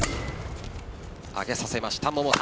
上げさせました、桃田。